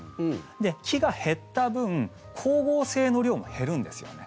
で、木が減った分光合成の量も減るんですよね。